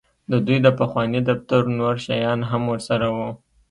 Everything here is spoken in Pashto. د دوی د پخواني دفتر نور شیان هم ورسره وو